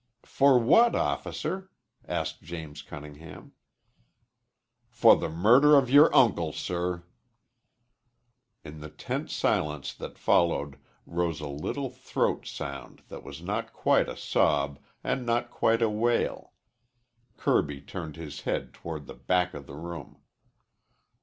"For what, officer?" asked James Cunningham. "For the murder of your uncle, sir." In the tense silence that followed rose a little throat sound that was not quite a sob and not quite a wail. Kirby turned his head toward the back of the room.